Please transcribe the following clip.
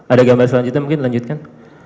ada gambar selanjutnya mungkin lanjutkan